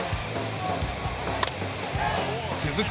続く